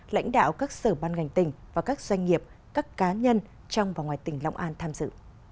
lãnh đạo các sở ban ngành tỉnh và các doanh nghiệp các cá nhân trong và ngoài tỉnh long an tham dự